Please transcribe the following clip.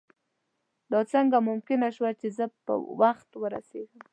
دا څنګه ممکنه شوه چې زه په وخت ورسېږم.